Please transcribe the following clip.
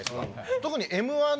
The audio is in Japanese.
特に。